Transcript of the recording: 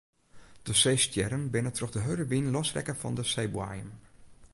De seestjerren binne troch de hurde wyn losrekke fan de seeboaiem.